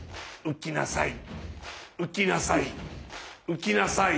浮きなさい。